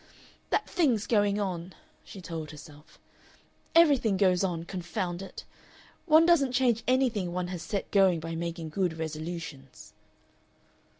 "That thing's going on," she told herself. "Everything goes on, confound it! One doesn't change anything one has set going by making good resolutions."